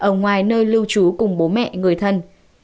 ở ngoài nơi lưu trú cùng bố mẹ người thân